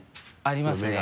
ありますね。